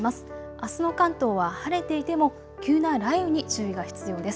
あすの関東は晴れていても急な雷雨に注意が必要です。